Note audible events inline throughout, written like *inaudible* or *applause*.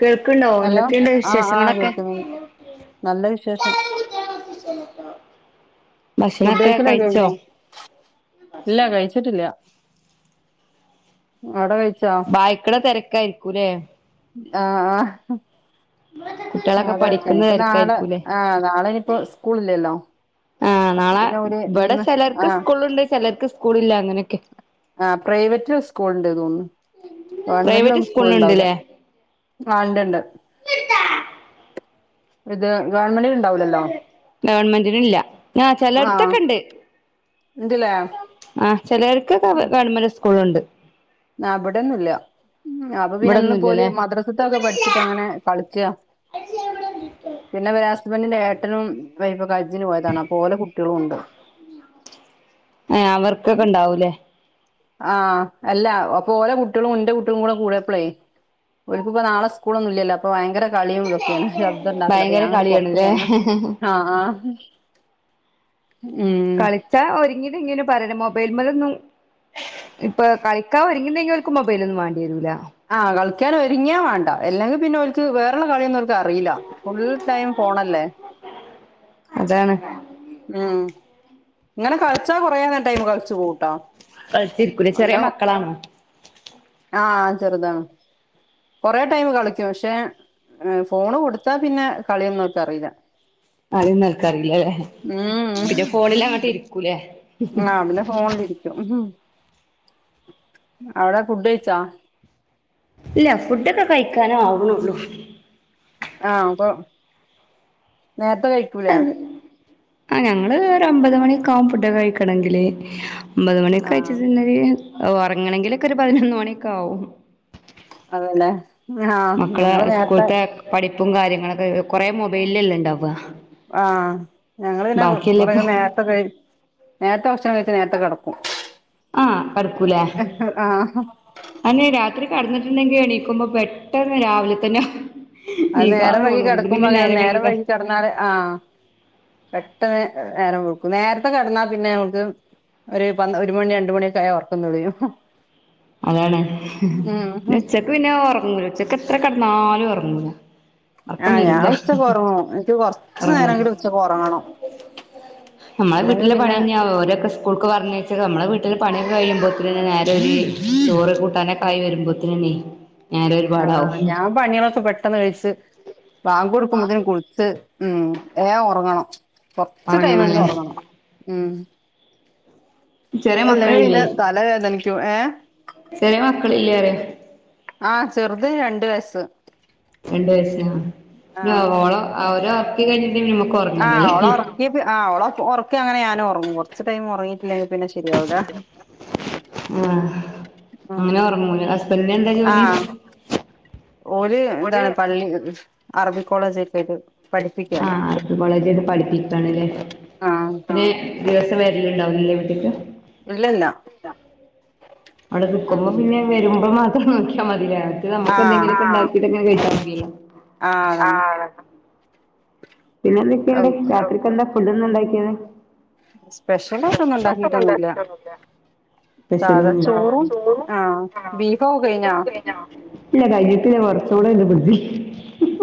കേൾക്ക്ണ്ടോ ഹലോ എന്തൊക്കേണ്ട് ആഹ് ആഹ് വിശേഷങ്ങളൊക്കെ കേൾക്കുന്നു നല്ല വിശേഷം ഭക്ഷണൊക്കെ ഫുഡ്കഴിക്കലൊക്കെ കഴിച്ചോ കഴിഞ്ഞോ ഇല്ല കഴിച്ചിട്ടില്ല അവിടെ കഴ്ച് ബായ്ക്ക്ണെ തെരക്കായിരിക്കുലേ ആഹ് ആഹ് ഹ് ആ കുട്ടികളൊക്കെ ആതെരക്കേനി. പഠിക്കുന്ന ഇപ്പ നാളെ തിരക്കായിരിക്കൂല്ലേ ആഹ് നാളെ ഇനിയിപ്പോ സ്കൂള് ഇല്ലല്ലോ ആഹ് നാളെ ഇബടെ ചെലർക്ക് ആഹ് സ്കൂള്ണ്ട്. ചെലർക്ക് സ്കൂള് ഇല്ല അങ്ങനൊക്കെ ആഹ് പ്രൈവറ്റില് സ്കൂൾണ്ട് തോന്നുണ്. പ്രൈവറ്റ് ഗവൺമെന്റിലൊന്നും സ്കൂൾ ഇണ്ടാവുല്ല സ്കൂളിനുണ്ട്ല്ലേ ആ ഇണ്ട് ണ്ട് ണ്ട് ഇത് ഗവൺമെന്റില്ണ് ഗവൺമെന്റിലില്ല ആ ചെലട് ആഹ് ത്തൊക്കെണ്ട് ഇണ്ട്ല്ലേ ആഹ് ചെലേർകൊക്കെ ഗവൺമെന്റ് സ്കൂള്ണ്ട് ആ ഇബെടൊന്നുംല്ല അപ്പൊ പിന്നെ ഇന്ന്പ്പോല് ഇവിടൊന്നുംല്ലല്ലേ മദ്രാസ്ത്തൊക്കെ പഠിച്ചിട്ട ങ്ങനെ കളിക്യാ ഇബെടെ *unintelligible* വിക്ക പിന്നെ ഇവെരെ ഹസ്ബന്റിന്റെ ഏട്ടനുംവൈഫൊക്കെ ഹജ്ജിന് പോയതാണ്. അപ്പൊ ഓലെ കുട്ട്യേളുംണ്ട്. ഏഹ് അവർക്കൊക്കെ ഇണ്ടാവുല്ലെ ആഹ് അല്ല അപ്പൊ ഓലെ കുട്ട്യേളും ഇന്റെ കുട്ട്യേളും കൂടെ കൂട്യേപ്പളെ ഓല്ക്ക്പ്പ നാളെ സ്കൂളോന്നുല്യല്ലോ അപ്പോ ഭയങ്കര കളിയും തും ക്ക്യാണ്. ശബ്ദണ്ടാക്കല. അപ്പ ഭയങ്കര ഞാങ്ങട്ട് പൊറ്ത്ത് കളിയാണ്ല്ലേ പോന്നാ ആഹ് ആഹ് ഉം താ ഒരിങ്ങലും ഇങ്ങനെ പറണം. മൊബൈൽമലൊന്നും ഇപ്പൊ കളിക്കാ ഒരിങ്ങീണങ്കി ഓര്ക്ക് മൊബൈലൊന്നും മാണ്ട്യേരൂല. ആഹ് കളിക്യാനോരുങ്ങിയാ വാണ്ട. അല്ലെങ്കി പിന്നെ ഒൽക്ക് വേറള്ള കളിയൊന്നു ക്കറീല ഫുൾ ടൈം ഫോണെല്ലേ അതാണ് ഉം ഇങ്ങനെ കള്ച്ചാ കൊറേന്നെ ടൈമ് കള്ച്ചു പോവുട്ടാ കളിച്ച് ഇര്ക്കുലെ. ചെറ്യേ മക്കളാണ്. ആഹ് ചെറ്താണ്. കൊറേ ടൈമ് കളിക്കും പഷേ ഫോണ് കൊട്ത്താ പിന്നെ കളിയൊന്ന് ഓർക്കറീല്ല. കളിയൊന്നോൽക്കറീല്ലലെ ഉം പിന്നെ ഫോണിലങ്ങ്ട്ട് ഇരിക്കുലെ ആഹ് പിന്നെ ഫോണിലിരിക്കും അവടെ ഫുഡ്ഡ് കഴിച്ചൊ. ഇല്ല ഫുഡ്ഡൊക്ക കഴിക്കാന് ആവ്ണൊള്ളു. ആഹ് അപ്പം നേര്ത്തെ കഴ് ആഹ് ഞങ്ങള് ഒരമ്പത് മണിയൊക്കാവും പുഡ്ഡ് കഴിക്കണങ്കിലെ ഒമ്പത് ആഹ് മണിയൊക്കായ്റ്റ് പിന്നൊര് ഒറങ്ങ്ണെങ്കില്ക്കൊര് പതിനൊന്ന് മണിയൊക്കാവും. അതെലേ ആഹ് മക്കളെ ഞങ്ങള് നേര്ത്തെ. സ്കൂളത്തെ പഠിപ്പും കാര്യങ്ങളൊക്ക കൊറേ മൊബയ്ലല്ലെ ഇണ്ടാവ ആഹ് ഞങ്ങള് പിന്നെ ഇപ്പൊ കൊറേകെ നേര്ത്തെ കഴ് നേര്ത്തെ ഭക്ഷണം കഴിച്ച് നേര്ത്തെ കെടക്കും. ആഹ് കട്ക്കൂലെ ആഹ് അന്ന് രാത്രി കെട്ന്ന്ട്ടെണ്ടെങ്കി എണീക്കുമ്പൊ പെട്ടെന്ന് രാവില തന്നെ അത് നീക്കാൻ നേരം വൈകി തോണൂല കെടക്കുമ്പൊ ഇതിങ്ങനെ അങ്ങനെ നേരം കെട വൈകി കെടന്നാല് ആഹ് പെട്ടന്ന് നേരം വെള്ക്കും. നേര്ത്തെ കെടന്നാ പിന്നെ നമ്ക്ക് ഒരു പൻ ഒര് മണി രണ്ട് മണിയൊക്കായാ ഒറക്കം തൊടരും. അതാണ് പിന്നെ ഉച്ചക്ക് പിന്നെ ഒറ്ങ്ങൂല. ഉച്ചക്ക് എത്ര കെട്ന്നാലും ഒറങ്ങൂല. ആഹ് ഞാൻ ഉച്ചക്ക് ഒർങ്ങും. എനിക്ക് കൊറ്ച്ച് ഉറങ്ങും നേരെങ്കിലും ഉച്ചക്ക് ഒറങ്ങണം. നമ്മളെ അല്ലെങ്കി വീട്ട്ലെ പിന്നെ പണിയെന്ന്യാവും ഓരൊക്ക സ് സ്കൂൾക്ക് പറഞ്ഞയ്ച്ച നമ്മളെ വീട്ട്ലെ പണിയൊക്ക കയ്യുമ്പോത്തിന് നേരെ ഒര് ചോറ് കൂട്ടാന് കായ് വരുമ്പോത്തിന് നീ ആഹ് ഞാ പണീളൊക്ക പെട്ടന്ന് കഴ്ച്ച് ബാങ്കൊടുക്കുമ്പത്തിന് കുള്ച്ച് ഉം വേ ഒറ്ങ്ങണം കൊറ്ച്ച് ടൈമെങ്കിലും ഉറങ്ങണല്ലോ ഒറ്ങ്ങണം ഉം ചെറിയ അല്ലെങ്കി മക്കളില്ലേ പിന്നെ തല വേദനിക്കും ഏഹ് ചെറിയ മക്കളില്ലേ അറിയ ആഹ് ചെറ്ത് രണ്ട് വയസ്സ് രണ്ട് വയസ്സ് ആഹ് ഓളെ ആഹ് ഓരെ ഒറ്ക്കി കഴിഞ്ഞിട്ടന്നെ ഞ ആഹ് ഓളൊർ ഇ ആഹ് ഓള ഒറ്ക്കി അങ്ങനെ ഞാനും ഒറ്ങ്ങും കൊറ്ച്ച് ടൈമ് ഒറ്ങ്ങീട്ടില്ലെങ്കി പിന്നെ ശരിയാവൂല ഉം ഉം അങ്ങനെ ഒർങ്ങുലെ ഹസ്ബന്റിനെന്ത ജോലി ഓലാ ഇതാ പള്ളി അറബി കോളേജ് ഒക്കായ് ആഹ് അർബികോളേജ് ആയ്ട്ട് പഠിപ്പിക്കണലെ ആഹ് പിന്നെ ദിവസം വരല് ഇണ്ടാവുലെ വീട്ട്ക്ക് ഇല്ലല്ല അവടെ നിക്കുമ്പം ഉം പിന്നെ വരുമ്പ മാത്രം നോക്ക്യാ മതിലേ നമ്മക്ക് ആഹ് എന്തെങ്കിലൊക്ക ഇണ്ട ന്ന്ട്ട് കഴ്ച മതിയല്ലൊ ആഹ് അന്ന പിന്നെ എന്തൊക്കണ്ട് രാത്രിക്ക് എന്താ ഫുഡ്ഡ്ന്ന് ഇണ്ടാക്കിയത് സ്പെഷ്യൽ ആയിട്ടൊന്നും ഇണ്ടാക്കീട്ടൊന്നുല്ല സ്പെഷ്യൽ സാധാ ഒന്നും ചോറും ആഹ് ബീഫൊക കഴ്ഞ്ഞൊ ഇല്ല കയ്ഞിട്ടില്ല കൊറ്ച്ചൂട ഇണ്ട് ഫ്രിഡ്ജില്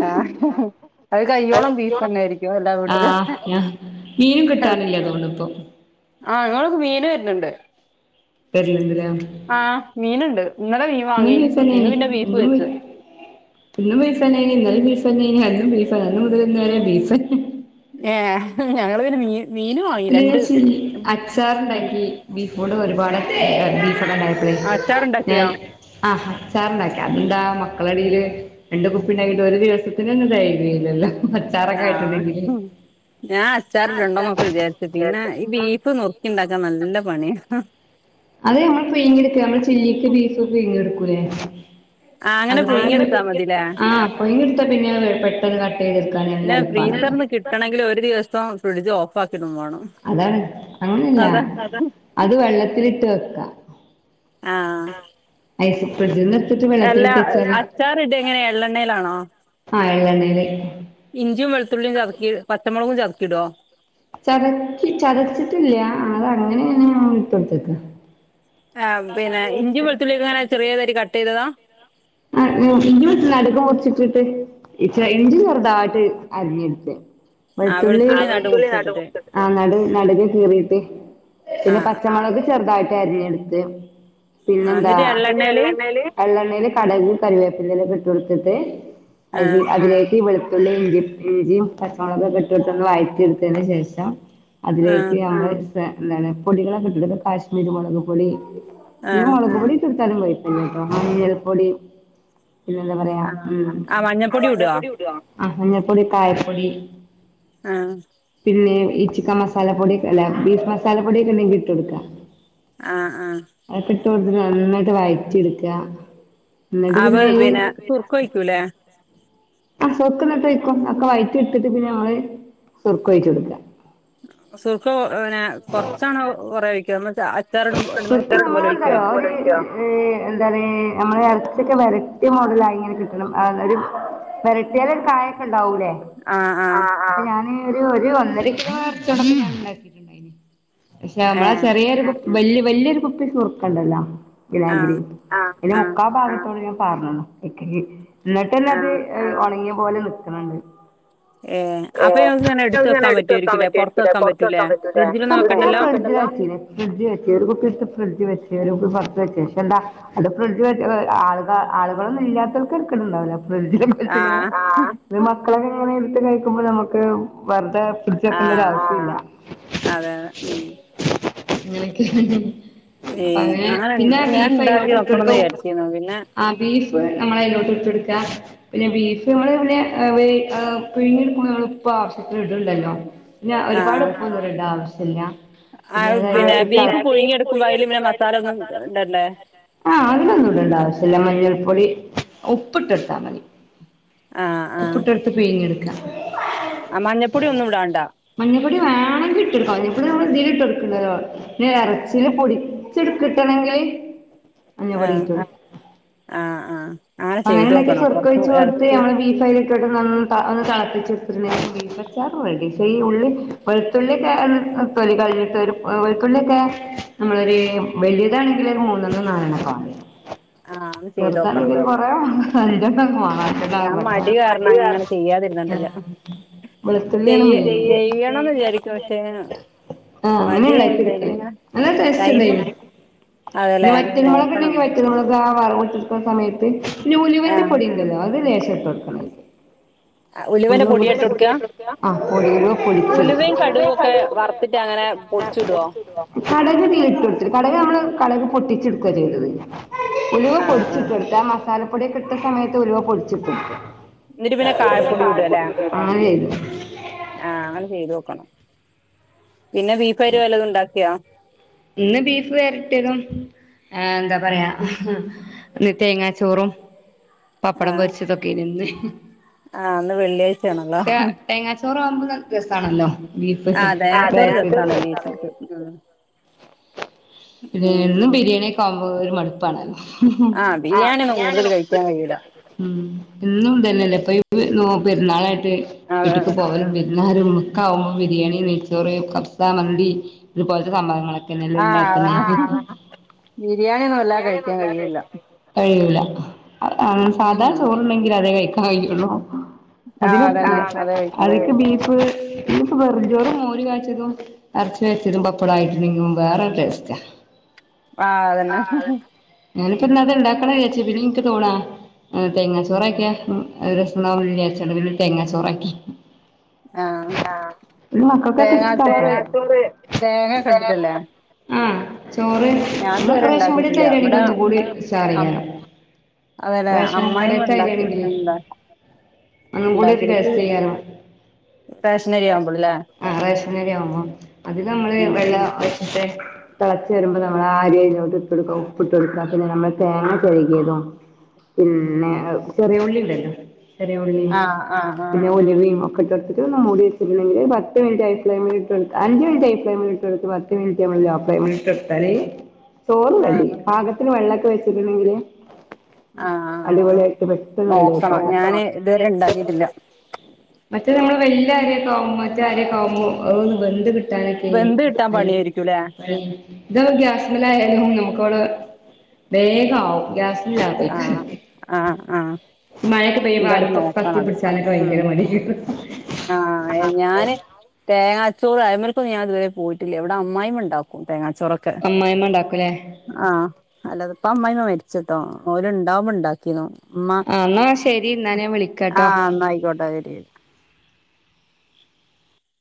ആഹ് അത് കയ്യോളം ബീഫെന്നെ ആയ്രിക്കൊ എല്ലാ ആ വീട്ട്ല് ഞാൻ മീനും കിട്ടാനില്ല തോന്നുന്നു ഇപ്പൊ ആഹ് ഞങ്ങളവ്ട്ക് മീന് വർൺണ്ട് വര്ൺണ്ട്ലേ ആഹ് മീന്ണ്ട്. ഇന്നലെ മീൻ വാങ്ങി ബീഫ് ഇന്ന് തന്നെയാണ് പിന്നെ ബീഫ് ഇന്നും വെച്ചു ഇന്നും ബീഫന്ന ഇന്നാലും ബീഫന്നെ അന്നും ബീഫന്ന് മുതൽന്ന വ ബീഫ ഏഹ് ഞങ്ങള് പിന്നെ മീൻ മീനു ആഹ് പിന്നെ അച്ചാറുണ്ടാക്കി ബീഫ കൂഡ ഒരുപാട് ബീഫ ഉണ്ടാക്കിയിട്ടുള്ളേ ഞാൻ അച്ചാറുണ്ടാക്കിയോ ആഹ് അച്ചാറുണ്ടാക്കിയോ അതെന്താ മക്കളടയില് രണ്ട് കുപ്പീനായിട്ട് ഒരു ദിവസത്തിനന് ദാരിദ്ര്യമില്ലല്ലോ ആഹ് ഹും ഞാൻ അച്ചാറിട്ടുണ്ടോന്നൊക്കെ വിചാരി പിന്നെ ഈ ബീഫു നുറുക്കി ഉണ്ടാക്കാൻ നല്ല പണിയാണ് അതെ നമ്മള് പിഴിഞ്ഞെടുത്തെ നമ്മള് ചില്ലിക്ക് ബീഫ്‌ ഒക്കെ പിഴിഞ്ഞെടുക്കൂല്ലേ ആഹ് അങ്ങനെ അതു പുഴുങ്ങി പോലെ എടുത്താ മതില്ലേ ആഹ് പൊയിഞ്ഞെടുത്താ പിന്നെ പെട്ടെന്ന് കട്ട് യ്തെടുക്കാൻ എല്ലാം എളുപ്പാണല്ലോ കിട്ടണെങ്കി ഒരു ദിവസം ഫ്രിഡ്ജ് ഓഫാക്കിടും വേണം അതാണ് അങ്ങനല്ല അതാ അത് വെള്ളത്തിലിട്ട് വെക്ക ആഹ് അ സപ്പത്തിന്ന് *unintelligible* *unintelligible* അല്ല വെള്ളത്തിലിട്ടച്ചാല് അച്ചാറിട എങ്ങനെ എള്ളെണ്ണയിലാണോ ആ ഹ് എള്ളണ്ണേല് ഇഞ്ചിം വെളുത്തുള്ളിം ചത്ക്കി പത്തമുളകും ചത്ക്കിടോ? ചതച്ചി ചതച്ചിട്ടില്ലാ ആഹ് അതങ്ങനെന്ന്യാണ്ട് ഇട്ടൊട്ത്തക്കാ. ആഹ് പിന്നെ ഇഞ്ചിം വെളുത്തുള്ളിയൊക്കെങ്ങനെ ചെറിയാതായ്റ്റ് കട്ടെയ്തതാ? ആഹ് *unintelligible* നടു പൗച്ചിട്ടിട്ട് ഇച്ച ഇഞ്ചി ചെറുതായിട്ട് അരിഞ്ഞ്ട്ത്ത്. ആ വെൾത്തുള്ളി, വെളുത്തുള്ളി നടു മുറിച്ചിട്ടിട്ട് മുർച്ചിട്ട്. ആഹ് നടു നടുവെ കീറീട്ട്. ആ പിന്നെ പച്ചമുളക് ചെറുതായിട്ട് അരിഞ് ട്ത്ത് ആ പിന്നെന്താ എന്നിട്ട് എള്ളെണ്ണേല് എള്ളെണ്ണയിൽ കടക് കറിവേപ്പിന്റലൊക്ക ഇട്ടൊട്ത്തിട്ട് ആ അതി അതിലേക്ക് ഈ വെളു ത്തുള്ളി ഇഞ്ചിം, ഇഞ്ചിയും പച്ചമുളകൊക്കെ ഇട്ടിട്ട് ഒന്ന് വഴറ്റി എടുത്തേന് ശേഷം ആ അതിലേക്ക് നമ്മള് എന്താണ് പൊടികളൊക്ക ഇട്ടിട്ടു കാശ്മീരി മുളക് പൊടി ആ ഈ മുളകുപൊടി ഇട്ടൊട്ത്താലും കൊഴപ്പല്ല ട്ടോ. മഞ്ഞൾപ്പൊടി പിന്നെ എന്താ പറയാ ആ ഉം. ആഹ് മഞ്ഞപ്പൊടി ഇടോ? ആഹ് മഞ്ഞപ്പൊടി കായപ്പൊടി. ആഹ് പിന്നെ ഈ ചിക്കൻ മസാല പൊടിയൊക്കെ അല്ല ബീഫ് മസാല പൊടിയൊക്കെ ഇണ്ടെങ്കി ഇട്ടൊടുക്കാ. ആഹ് ആഹ് അതൊക്കിട്ടു കൊടുത്തിട്ട് നന്നായിട്ട് വഴറ്റിട്ക്കാ. അവൾ പിന്നെ സുർക്കൊഴിക്കൂലേ? ആഹ് സുർക്ക ന്നട്ടൊഴിക്കും. ഒക്കെ വയറ്റി ഇട്ത്തിട്ട് പിന്നെ നമ്മള് സുർക്കൊഴ്ച്ചൊട്ക്ക. സുർഖ പിന്നെ കൊർച്ചാണൊ കൊറെ ഒഴി ക്യോ? എന്ന് ച്ച അച്ചാറിടും ഇടുന്നപോലെ സൊർക്ക് ഒഴിക്കും പോലെ ഒഴിക്ക്യോ? നമ്മളെന്താറിയോ ഒരു ഏഹ് എന്താണ് നമ്മള് എറച്ച്യൊക്കെ വെരട്ട്യ മോഡലായിങ്ങനെ കിട്ടണം. ആഹ് ഒരു വെരട്ട്യാലൊര് കായൊക്കെണ്ടാവൂലേ? ആഹ് ആഹ് അപ്പ ഞാന് ഒരു ഒരു ഒന്നരകിലോ എർച്ച്യോണ്ടക്ക ഞാന് ഇണ്ടാക്കിട്ടുണ്ടായിനി. പക്ഷെ ഏ നമ്മളെ ചെറിയൊരു കുപ് വെൽ വെല്യൊരു കുപ്പി സുർക്കണ്ടല്ലോ. ആ വിനാഗിരി. ആഹ്. അയ്ൻ്റെ ആ മുക്കാ ഭാഗത്തോളം ഞാൻ പാർന്ന്ണ് അയ്ക്ക്. ആ ഇന്നട്ടെന്നത് ഏഹ് ഒണങ്ങിയ പോലെ നിക്ക്ണ് ണ്ട്. ഏ അപ്പൊ ഏഹ് ഞങ്ങക്ക് ഇങ്ങനെ *unintelligible* എടുത്ത് എടുത്തു വെക്കാൻ പറ്റുവായിരിക്കുംല്ലേ പറ്റു ആയിരിക്കുലേ പൊറത്ത് വെക്കാൻ പറ്റൂലേ, ഫ്രിഡ്ജിലൊന്നും പൊർത്ത് ഞാൻ വെക്കണ്ടല്ലോ ഫ്രിഡ്ജിലാക്കീന്. ഫ്രിഡ്ജ്ലൊന്നും വെക്കണ്ടല്ലോ ഫ്രിഡ്ജ് വെച്ച് ഒരു കുപ്പിട്ത്തു ഫ്രിഡ്ജ് വെച്ച് ഒരു കുപ്പി പൊർത്തു വെച്ച്. പക്ഷെ ന്താ അത് ഫ്രിഡ്ജ് വെച്ചത് ആൾക്കാ ആളുകളൊന്നും ഇല്ല്യാത്തോൽക്ക് തെര്ക്കട്ണ്ടാവൂല്ല ഫ്രിഡ്ജില് ഇട്ത്ത്ക്ക്ണ് ആഹ് ഇത് മക്കളൊക്കെ ഇങ്ങനെ എടുത്ത് കഴിക്കുമ്പോ ഞമ്മക്ക് വെർതെ ആഹ് അതെ ഉം ഏ അപ്പ അങ്ങനെ പിന്നാ ഞാൻ ഇണ്ടാക്കി ബീഫായിലോട്ട് നോക്കണംന്ന് ഇട്ടൊട്ക്കും. വിചാരിച്ചിരുന്നു പിന്നെ ആഹ് ബീഫ് നമ്മളയ്ലോട്ട് ഇട്ടൊട്ക്കാ. പിന്നെ ബീഫ് നമ്മള് പിന്നെ വേ പിഴിങ്ങിടുക്കുമ്പം നമ്മള് പ്പാ വശ്യത്തിന് ഇട്ണ്ടല്ലോ. ഇല്ലാ ഒരുപാട് ഉപ്പൊന്നും ഇടണ്ട ആവശ്യല്ല. ആത് പിന്നെ ബീഫ് പുഴുങ്ങി എടുക്കുമ്പോ അയില് പിന്നെ മസാല ഒന്നും ഇടണ്ടേ? ആഹ് അതിലൊന്നും ഇടണ്ട ആവശ്യല്ല. മഞ്ഞൾ പൊടി, ഉപ്പ് ട്ടൊട്ത്താ മതി. ആഹ് ഉപ്പ് ആഹ് ട്ടൊട്ത്ത് പീങ്ങി ഇട്ക്കാ. ആഹ് മഞ്ഞൾപ്പൊടി ഒന്നുടാണ്ട? മഞ്ഞപ്പൊടി വാണെങ്കി ഇട്ടൊടുക്ക മഞ്ഞപ്പൊടി നമ്മൾ ഇതിൽ ഇട്ടൊട്ക്ണ്ടല്ലോ. ന്നെ എറച്ചില് പുടിച്ചിട് ക്കിട്ടണെങ്കില് ആഹ് ആഹ് ആഹ് അങ്ങനെ ണ്ടാക്കിയ ചെയ്തോക്കണം കൊറച്ച് സുർക്കൊഴിച്ച് കൊട്ത്ത് എറച്ചി നമ്മള് ബീഫയില് ന്ന് തളപ്പിച്ചടുത്തിച്ചാ ബീഫ് അച്ചാർ റെഡി പക്ഷെ ഈ ഉള്ളി വെളുതുള്ളിയൊക്കെ തൊലി കളിഞ്ഞിട്ട് ഒരു വെളു ത്തുള്ളിയൊക്കെ നമ്മളൊരു വലിതാണെങ്കിൽ ഒരു മൂന്നെണ്ണം നാലെണ്ണം ഒക്കെ വാണം ആഹ് ഒന്ന് ചെയ്തോക്കണം ചെറുതാണെങ്കിലും കൊറെ നാലഞ്ചേണ്ണം ഒക്കെ ഞാൻ വാണം കാരണം മടി അങ്ങനെ ചെയ്യാതിരുന്നിട്ടില്ല കാരണം വെളുത്തുള്ളി ആണ് മെയിൻ ക്ക് പക്ഷെ ആഹ് അങ്ങനെ ഉണ്ടാക്കി *unintelligible* നല്ല ടേസ്റ്റ് ടൈമ് ഉണ്ടായിനു പിന്നെ അതെല്ലേ വറ്റൽ മുളകുണ്ടെങ്കിൽ നോക്കണംന്ന് വറ്റൽമുളകാ വറവ് *unintelligible* സമയത്ത് ഇനി ഉലുവന്റെ ആഹ് പൊടിണ്ടല്ലോ അത് ലേശം ഇട്ട് കൊടുക്കണം അയിക്ക് ഉലുവന്റെ ഉലുവ പൊടിയ ഇട്ടൊടുക്ക പൊടിച്ചത് ആഹ് പൊടി ഉലുവ പൊടിച്ചത് ഉലുവയും കടുകും ഒക്കെ വറുത്തിട്ട് അങ്ങനെ പൊടിച്ചിടോ കടക് ഇതേൽ ഇട്ട് കൊടുത്തി കടുക് നമ്മള് കടക് പൊട്ടിച്ചെടുക്ക ചെയ്തത് ഉലുവ ആഹ് പൊടിച്ചിട്ടു ആഹ് എടുത്താ മസാലപ്പൊടിയൊക്കെ ഇട്ട സമയത്ത് ഉലുവ പൊടിച്ചിട്ടു കൊടുക്ക ഇന്നട്ട് പിന്നെ കായപ്പൊടി ഇടും അല്ലേ ആഹ് *unintelligible* ആഹ് അങ്ങനെ ചെയ്ത് നോക്കണം പിന്നെ ബീഫായിട്ട് വല്ലതും ഉണ്ടാക്കിയാ ഇന്ന് ബീഫ് വരട്ടിയതും ആഹ് എന്താ പറയാ ഇന്ന് തേങ്ങാ ചോറും പപ്പടം ആഹ് പൊരിച്ചതൊക്കെ അയ്നിം ഇന്ന് ആഹ് ഇന്ന് വെള്ളിയാഴ്ചയാണല്ലോ പക്ഷെ തേങ്ങാച്ചോറാവുമ്പോ രസണല്ലോ ബീഫ്ക്ക് അതെ ആഹ് അതൊരു തേങ്ങാ ചോറ് രസാ *unintelligible* പിന്നെ ഉം എന്നും ഉം ബിരിയാണിയൊക്കെ ആവുമ്പോ ഒരു മടുപ്പാണല്ലോ ആഹ് ഒന്നും ബിരിയാണി കൂടുതൽ കഴിക്കാൻ കഴിയൂല *unintelligible* എന്നും ഇതന്നല്ലേ ഇപ്പൊ നോ പെരുന്നാളായിട്ട് അതെ വീട്ടിക്ക് അതെ പോവലും വിരുന്നാരും ക്കാവുമ്പം ബിരിയാണി, നെയച്ചോറ്, കഫ്സ, മന്തി ഇതുപോലത്തെ സംഭവങ്ങളൊക്കെ ക്കെന്നെല്ലെ ഉണ്ടാക്കുന്നെ ആഹ് അതന്നെ ബിരിയാണി *unintelligible* ബിരിയാണി ഒന്നും വല്ലാതെ കഴിയൂല കഴിക്കൂല ആഹ് സാധാ ഉം ചോറണ്ടെങ്കിൽ അതേ കഴിക്കു *unintelligible* ആഹ് അതന്നെ അതിന് ആഹ് ഒക്കൂല അതേ കഴിക്കാൻ അതിക്ക് കഴിയൂ ബീഫ് ഫ്‌ ഇന്നിപ്പം വെറുംചോറും മോര് കാച്ചിയതും അറച്ചി വരട്ടിയതും പ പപ്പടായിട്ടെങ്ക വേറെരു ടേസ്റ്റ ആഹ് അതന്നെ ഞാനിപ്പ ഇന്ന് അത് ഉണ്ടാക്കണ വിചാരിച്ചു പിന്നെ എനിക്ക് തോണാ ആഹ് തേങ്ങാ ചോറക്കിയ അത് രസാണ്ടാകും വിചാരിച്ചണ്ട് പിന്നെണ്ട് തേങ്ങാ ചോറാക്കി ആഹ് ആഹ് മക്കക്കൊ ഇഷ്ടയോ തേങ്ങാച്ചോറ് തേങ്ങാ ചോറ് തേങ്ങ ഒക്കെ ഇട്ടിട്ടല്ലേ ആഹ് ചോറ് ഞാൻ ന ഇതുവരെ റേഷം പീടീത്തെ ഉണ്ടാക്കിയിട്ടില്ല അരിയാ ണെങ്കിൽ ഇവിടെ ഒന്നും കൂടി അം ഉഷാറയ്ക്കാരം അതെല്ലേ റേഷൻ അമ്മായിമ്മ കടേത്തെ ഉണ്ടാക്കി അരിയാണെങ്കിലെയ് ഉണ്ട ഒന്നും കൂടെ ഒരു ഉണ്ടാക്കിക്ക് ടേസ്റ്റ് അയ്‌ക്കാരം സ്റ്റേഷനരി ആവുമ്പോളല്ലേ ആ റേഷനരിയാവുബോ അധികം നമ്മള് ഉം വെള്ള ഉം വറ്റിച്ച തിളച്ചു വരുമ്പോൾ നമ്മൾ അരി ആയിലോട്ട് ഇട്ട് കൊടുക്കുക ഉപ്പ് ഇട്ട് കൊടുക്കുക പിന്നെ നമ്മൾ തേങ്ങ ചിരകിയതും പിന്നെ ചെറിയുള്ളിണ്ടല്ലോ ചെറിയുള്ളി ആഹ് ആഹ പിന്നെ ഉലുവയും ഒക്കെ ഇട്ടു ഒന്ന മൂടി വച്ചിട്ടില്ലെങ്കില് പത്ത് മിനിറ്റ് ഹൈഫ്‌ളമേഇൽ ഇട്ടുകൊടുക്ക അഞ്ച് മിനിറ്റ് ഹൈഫ്ലാമിൽട്ട് ഇട്ടുകൊടുത്ത് പത്തുമിനിറ്റ് നമ്മള് ലോഫ്ലമെയിൽ ഇട്ടുകൊടുത്താല് ചോറ് റെഡി ആഹ് പാകത്തി ത്തിന് വെള്ളക്കെ വെച്ചക്ക്ണെങ്കില് ആഹ് അടിപൊളിയായിട്ട് പെട്ടെന്ന് റെഡി ആയിക്കോ ഞാന് വീട്ടില്ല മറ്റേതു നമ്മള് വല്ല്യ അരി ഒക്ക ആവുമ്പ മറ്റേ അരിയൊക്കെ ആവുമ്പോ അതൊന്നു വെന്തു കി കിട്ടാനെക്കെ *unintelligible* വെന്ത് കിട്ടാൻ പണിയായിരിക്കുംല്ലേ ഇത് ഗ്യാസ്മല ആയാലും നമുക്ക് വടെ വേഗാവും ഗ്യാസ് ആഹ് *unintelligible* ആഹ് ആഹ് മയൊക്കെ പെയ്ത എന്തായാലും അട്പ്പ് കത്തി പിട്ചാനോക്കെ ഭയങ്കര മടി ഇപ്പ് ആ ഞാന് തേങ്ങാച്ചോറ് അഴിമേൽക്കൊന്നും ഞാൻ ഇതുവരെ പോയിട്ടില്ല ഇവടെ അമ്മായിമ്മ ഇണ്ടാക്കും തേങ്ങാച്ചോറൊ അമ്മായിമ്മ ഇണ്ടാക്കു ലേ ആ അല്ല ഇപ്പ അമ്മായിമ്മ മരിച്ട്ടോ ഓര് ഇണ്ടാവുമ്പ ഇണ്ടാക്കീനു ഇമ്മ ആ എന്നാ ശരി എന്നാ ഞാൻ ആ വിളിക്കാട്ടോ ഇന്നായിക്കോട്ടെ ശെരി